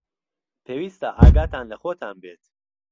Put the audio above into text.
پێویستە ئاگاتان لە خۆتان بێت.